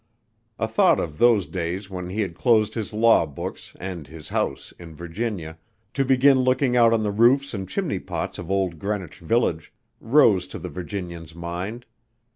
A thought of those days when he had closed his law books and his house in Virginia to begin looking out on the roofs and chimney pots of old Greenwich village, rose to the Virginian's mind.